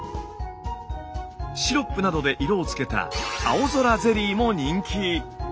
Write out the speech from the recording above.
シロップなどで色をつけた青空ゼリーも人気。